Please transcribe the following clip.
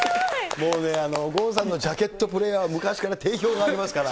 もうね、郷さんのジャケットプレーは昔から定評がありますから。